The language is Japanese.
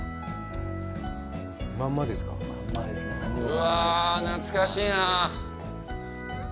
うわ、懐かしいなあ。